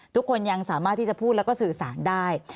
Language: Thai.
ทุกคนยังสามารถที่จะพูดแล้วก็สื่อสารได้